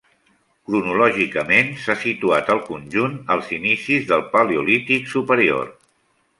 Cronològicament, s'ha situat el conjunt als inicis del Paleolític Superior.